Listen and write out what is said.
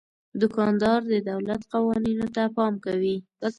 دوکاندار د دولت قوانینو ته پام کوي.